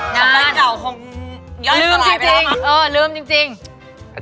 น่ามาก